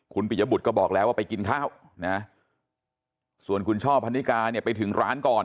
คุณปิยบุตรก็บอกแล้วว่าไปกินข้าวนะส่วนคุณช่อพันนิกาเนี่ยไปถึงร้านก่อน